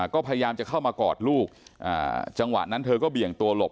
ก็พยายามจะเข้ามากอดลูกจังหวะนั้นเธอก็เบี่ยงตัวหลบ